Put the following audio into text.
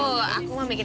syok burada siapa aku ini